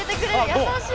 優しい。